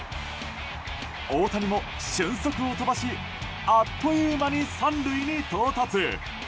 大谷も俊足を飛ばしあっという間に３塁に到達。